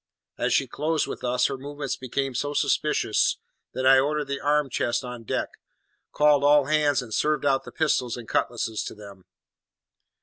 As she closed with us, her movements became so suspicious that I ordered the arm chest on deck, called all hands, and served out the pistols and cutlasses to them.